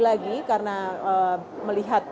lagi karena melihat